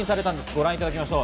ご覧いただきましょう。